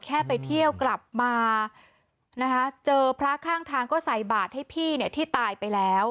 แค่ไปเที่ยวกลับมานะคะเจอพระข้างทางก็ใส่บาทให้พี่เนี่ยที่ตายไปแล้ว